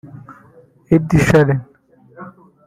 Ed Sheeran